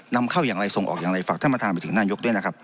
นำเข้าอย่างไรส่งออกอย่างไรฝากท่านประธานไปถึงนายกด้วยนะครับ